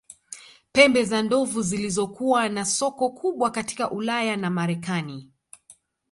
Pembe za ndovu zilizokuwa na soko kubwa katika Ulaya na Marekani